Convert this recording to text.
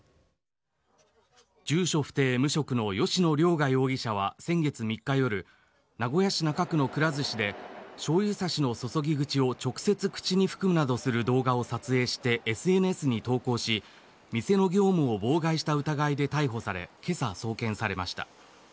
住所不定、無職の吉野凌雅容疑者は先月３日夜名古屋市中区のくら寿司でしょうゆ差しの注ぎ口を直接、口に含むなどする動画を撮影しＳＮＳに投稿し店の業務を妨害した疑いで逮捕され、今朝送検されました。